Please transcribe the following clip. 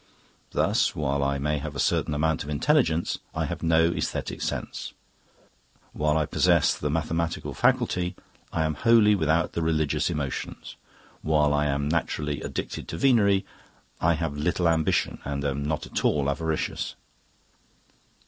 Thus, while I may have a certain amount of intelligence, I have no aesthetic sense; while I possess the mathematical faculty, I am wholly without the religious emotions; while I am naturally addicted to venery, I have little ambition and am not at all avaricious.